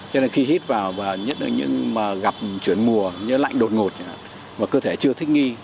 cho nên khi hít vào và nhất là những mà gặp chuyển mùa như lạnh đột ngột mà cơ thể chưa thích nghi